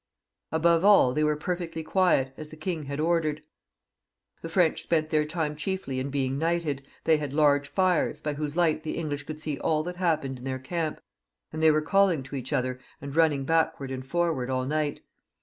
Above all, they were perfectly quiet^ as the king had ordered. The French spent their time chiefly in being knighted ; they had large fires, by whose light the English could see all that happened in their camp, and they were calling to each other and running backwards and forwards all night.